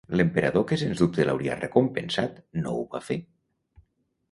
L'emperador que sens dubte l'hauria recompensat, no ho va fer.